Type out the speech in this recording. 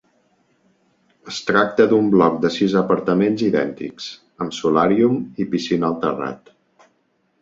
Es tracta d'un bloc de sis apartaments idèntics, amb solàrium i piscina al terrat.